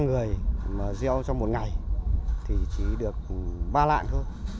ba người mà gieo trong một ngày thì chỉ được ba lạng thôi